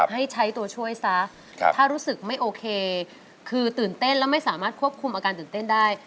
ให้ใช้ตัวช่วยซะถ้ารู้สึกไม่โอเคคือตื่นเต้นแล้วไม่สามารถควบคุมอาการตื่นเต้นได้